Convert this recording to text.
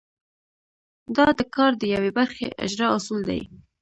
دا د کار د یوې برخې اجرا اصول دي.